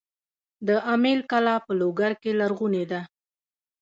د امیل کلا په لوګر کې لرغونې ده